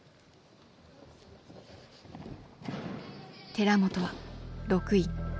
寺本は６位。